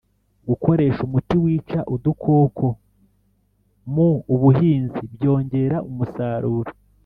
Gukoresha umuti wica udukoko mu ubuhinzi byongera umusaruro